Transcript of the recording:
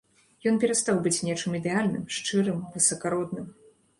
Ён перастаў быць нечым ідэальным, шчырым, высакародным.